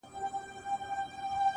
زما غزل تې ستا له حُسنه اِلهام راوړ,